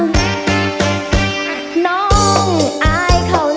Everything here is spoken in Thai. แม่หรือพี่จ๋าบอกว่าจะมาขอมัน